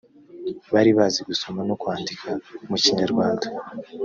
bari bazi gusoma no kwandika mu kinyarwanda